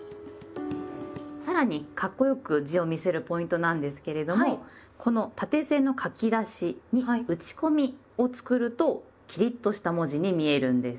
さらにかっこよく字を見せるポイントなんですけれどもこの縦線の書き出しに「打ち込み」を作るとキリッとした文字に見えるんです。